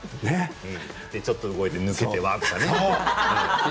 ちょっと動いて抜けて、わあってね。